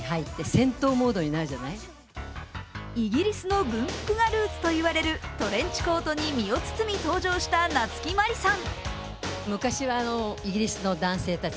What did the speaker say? イギリスの軍服がルーツといわれるトレンチコートに身を包み登場した夏木マリさん。